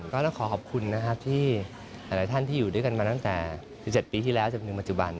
ก็ต้องขอขอบคุณนะครับที่หลายท่านที่อยู่ด้วยกันมาตั้งแต่๑๗ปีที่แล้วจนถึงปัจจุบัน